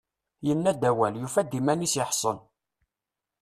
Yenna-d awal, yufa-d iman-is iḥṣel.